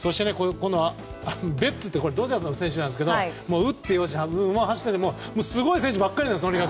ベッツってこれドジャースの選手なんですが打って良し走って良しとすごい選手ばかりなんです。